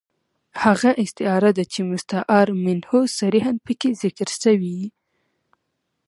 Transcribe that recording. هغه استعاره ده، چي مستعار منه صریحاً پکښي ذکر ىوى يي.